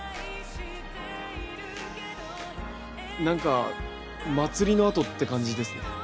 何か祭りの後って感じですね。